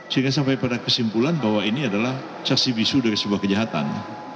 sehingga sampai pada kesimpulan bahwa ini adalah saksi bisu dari sebuah kejahatan